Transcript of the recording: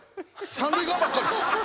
三塁側ばっかりっす。